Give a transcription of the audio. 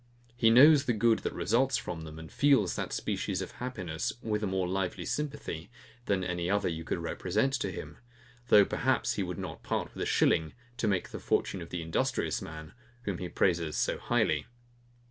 He knows the good that results from them, and feels that species of happiness with a more lively sympathy, than any other you could represent to him; though perhaps he would not part with a shilling to make the fortune of the industrious man, whom he praises so highly.